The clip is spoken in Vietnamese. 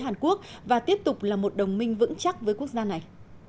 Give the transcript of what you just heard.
hàn quốc và tiếp tục là một đồng minh vững chắc với quốc gia này